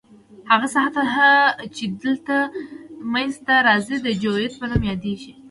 هغه سطح چې دلته منځ ته راځي د جیوئید په نوم یادیږي